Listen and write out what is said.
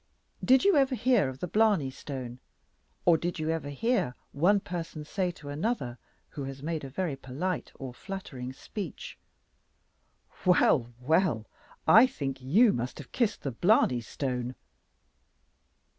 Did you ever hear of the Blarney Stone? Or did you ever hear one person say to another, who has made a very polite or flattering speech, "Well, well, I think you must have kissed the Blarney Stone?"